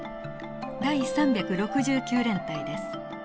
第３６９連隊です。